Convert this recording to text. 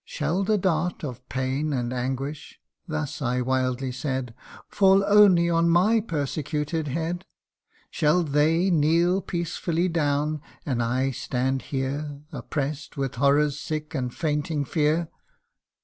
' Shall the dart Of pain and anguish (thus I wildly said,) Fall only on my persecuted head ? Shall they kneel peaceful down, and I stand here Oppress'd with horror's sick and fainting fear